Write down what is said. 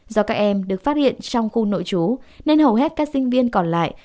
do các em được phát hiện trong khu nội chú nên hầu hết các sinh viên còn lại